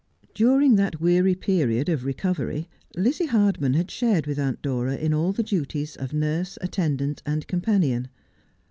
During that weary period of recovery, Lizzie Hardman had shared with Aunt Dora in all the duties of nurse, attendant, and companion.